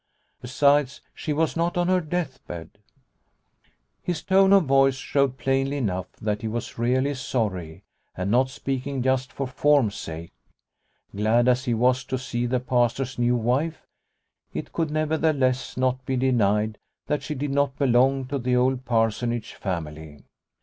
Besides, she was not on her death bed ! His tone of voice showed plainly enough that he was really sorry, and not speaking just for form's sake. Glad as he was to see the Pastor's new wife, it could nevertheless not be denied that she did not belong to the old Parsonage family.